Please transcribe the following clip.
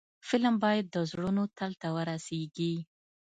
فلم باید د زړونو تل ته ورسیږي